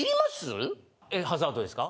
ハザードですか？